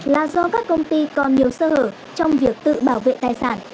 là do các công ty còn nhiều sơ hở trong việc tự bảo vệ tài sản